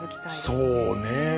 そうね。